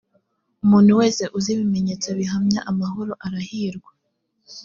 umuntu wese uzi ibimenyetso bihamya amahoro arahirwa